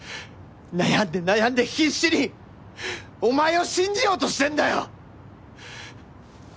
悩んで悩んで必死にお前を信じようとしてんだよ。